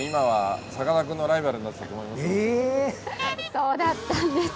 そうだったんです。